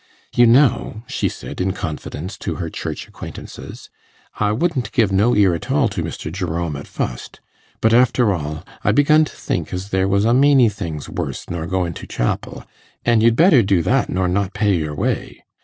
'You know,' she said in confidence to her Church acquaintances, 'I wouldn't give no ear at all to Mr. Jerome at fust; but after all, I begun to think as there was a maeny things worse nor goin' to chapel, an' you'd better do that nor not pay your way.